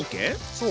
そう。